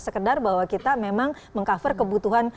sekedar bahwa kita memang meng cover kebutuhan